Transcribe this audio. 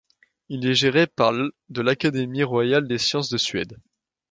Il est géré par l' de l'Académie royale des sciences de Suède.